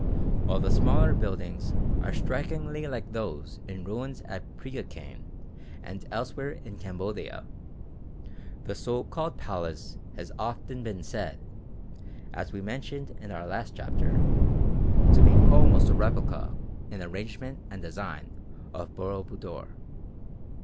While the smaller buildings are strikingly like those in ruins at Préa Khane and elsewhere in Cambodia, the so called "Palace" has often been said, as we mentioned in our last chapter, to be almost a replica in arrangement and design of Boro Budor.